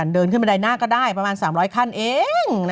เดินขึ้นบันไดหน้าก็ได้ประมาณ๓๐๐ขั้นเอง